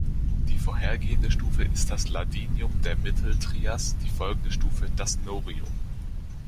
Die vorhergehende Stufe ist das Ladinium der Mitteltrias, die folgende Stufe das Norium.